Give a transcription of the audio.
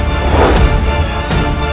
aku akan mencari dia